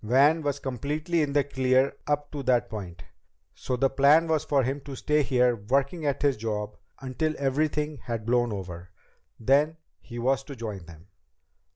Van was completely in the clear up to that point, so the plan was for him to stay here working at his job until everything had blown over. Then he was to join them.